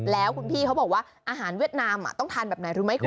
แล้วคุณพี่เขาบอกว่าอาหารเวียดนามต้องทานแบบไหนรู้ไหมคุณ